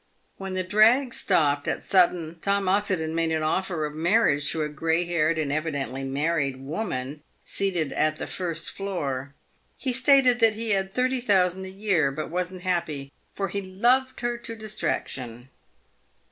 "When the drag stopped at Sutton, Tom Oxendon made an offer of marriage to a grey haired and evidently married woman seated at the first floor. He stated that he had thirty thousand a year, but wasn't happy, for he loved her to distraction.